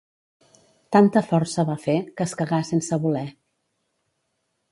Tanta força va fer, que es cagà sense voler.